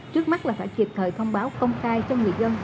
trước mắt là phải kịp thời thông báo công khai cho người dân